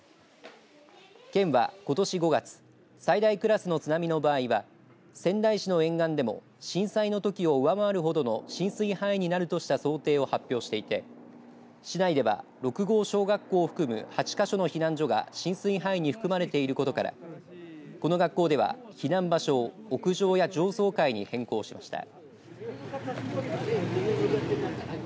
県は、ことし５月最大クラスの津波の場合は仙台市の沿岸でも震災のときを上回るほどの浸水範囲になるとした想定を発表していて市内では六郷小学校を含む８か所の避難所が浸水範囲に含まれていることからこの学校では避難場所を屋上や上層階に変更しました。